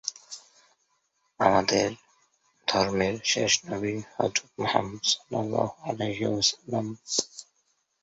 বিখ্যাত সুফি সাধক শায়খ শরফুদ্দীন ইয়াহিয়া মানেরী এ প্রতিষ্ঠানে বাইশ বছর অধ্যাপনা করেন।